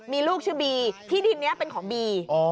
มีลูกชื่อบีที่ดินนี้เป็นของบี